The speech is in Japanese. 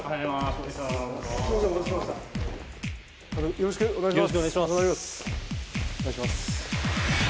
よろしくお願いします。